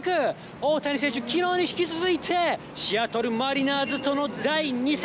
大谷選手、きのうに引き続いて、シアトルマリナーズとの第２戦。